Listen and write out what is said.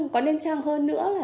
có nên trăng hơn nữa là